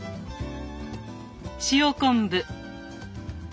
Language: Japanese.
塩昆布。